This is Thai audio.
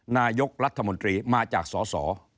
นายกรัฐมนตรีมาจากสส